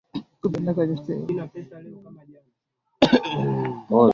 fedha inayotolewa na benki kuu inatumika kwa malipo ya bidhaa